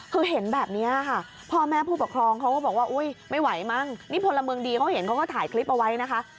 คือเห็นแบบนี้ค่ะพ่อแม่ผู้ปกครองเขาก็บอกว่าอุ๊ยไม่ไหวมั้งนี่พลเมืองดีเขาเห็นเขาก็ถ่ายคลิปเอาไว้นะคะ